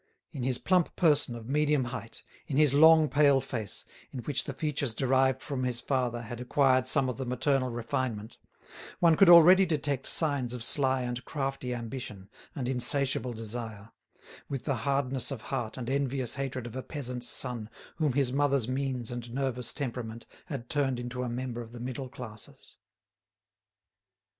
In his plump person of medium height, in his long pale face, in which the features derived from his father had acquired some of the maternal refinement, one could already detect signs of sly and crafty ambition and insatiable desire, with the hardness of heart and envious hatred of a peasant's son whom his mother's means and nervous temperament had turned into a member of the middle classes.